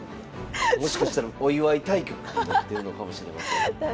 もしかしたらお祝い対局になってるのかもしれません。